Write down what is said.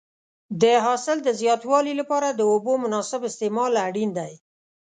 د حاصل د زیاتوالي لپاره د اوبو مناسب استعمال اړین دی.